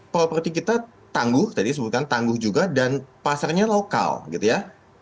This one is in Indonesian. properti kita tangguh tadi disebutkan tangguh juga dan pasarnya lokal gitu ya